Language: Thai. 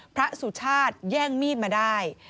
สุชาติแย่งมีดมาได้